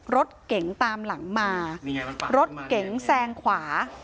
รถเก๋งตามหลังมารถเก๋งแซงขวา